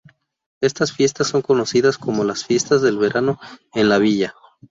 Estas fiestas son conocidas como las fiestas del verano en la villa.